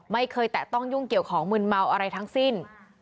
แตะต้องยุ่งเกี่ยวของมืนเมาอะไรทั้งสิ้น